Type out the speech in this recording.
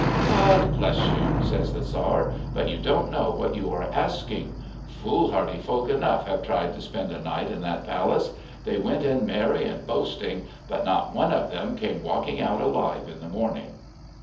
"God bless you," says the Tzar, "but you don't know what you are asking. Foolhardy folk enough have tried to spend a night in that palace. They went in merry and boasting, but not one of them came walking out alive in the morning."